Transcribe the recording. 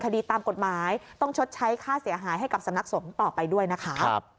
คดีตามกฎหมายต้องชดใช้ค่าเสียหายให้กับสำนักสงฆ์ต่อไปด้วยนะคะ